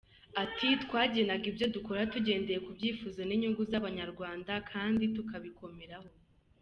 Ati “Twagenaga ibyo dukora tugendeye ku byifuzo n’inyungu z’Abanyarwanda kandi tukabikomeraho.”